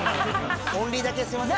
オンリーだけすみません。